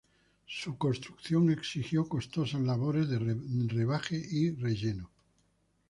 Su construcción exigió costosas labores de rebaje y relleno.